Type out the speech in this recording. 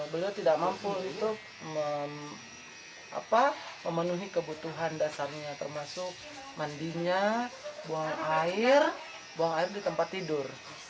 beliau tidak mampu untuk memenuhi kebutuhan dasarnya termasuk mandinya buang air buang air di tempat tidur